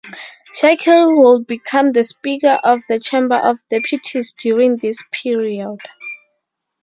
Shakir would become the speaker of the Chamber of Deputies during this period.